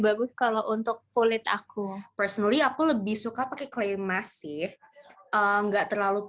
bagus kalau untuk kulit aku personally aku lebih suka pakai clemas sih enggak terlalu